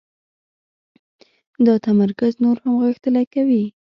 دا تمرکز نور هم غښتلی کوي.